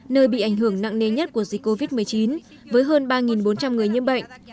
nơi bị ảnh hưởng nặng nề nhất của dịch covid một mươi chín với hơn ba bốn trăm linh người nhiễm bệnh